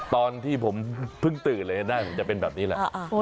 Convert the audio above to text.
ตอนที่ผมเพิ่งตื่นเลยนะหน้าผมจะเป็นแบบนี้แหละ